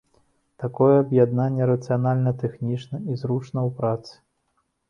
Такое аб'яднанне рацыянальна тэхнічна і зручна ў працы.